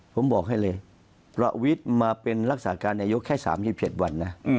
ผมบอกให้เลยประวิทย์มาเป็นรักษาการนายกแค่๓๗วันนะ